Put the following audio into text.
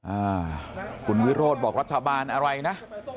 อ่าคุณวิโรธบอกรัฐบาลอะไรนะ